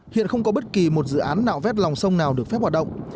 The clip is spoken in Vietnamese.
hiện không có bất kỳ một dự án nào vét lòng sông nào được phép hoạt động